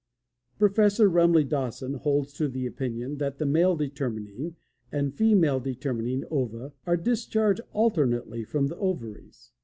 Professor Rumley Dawson holds to the opinion that the male determining and female determining ova are discharged alternately from the ovaries.